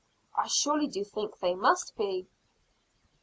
"I surely do think they must be."